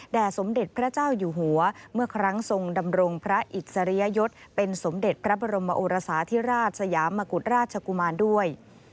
สมเด็จพระเจ้าอยู่หัวเมื่อครั้งทรงดำรงพระอิสริยยศเป็นสมเด็จพระบรมโอรสาธิราชสยามกุฎราชกุมารด้วย